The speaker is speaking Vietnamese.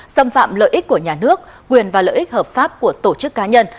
xâm phạm lợi ích của nhà nước quyền và lợi ích hợp pháp của tổ chức cá nhân